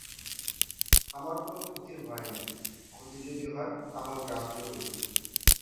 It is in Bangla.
আমার কোন ক্ষতির ভয় নাই, ক্ষতি যদি হয় তাহাও গ্রাহ্য করি না।